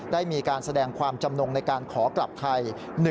ได้มีการแสดงความจำนงในการขอกลับไทย